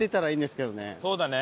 そうだね。